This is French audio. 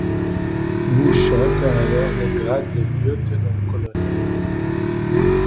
Bouchotte a alors le grade de lieutenant-colonel.